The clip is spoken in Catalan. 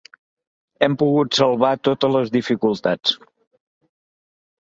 Hem pogut salvar totes les dificultats.